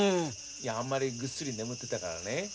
いやあんまりぐっすり眠ってたからね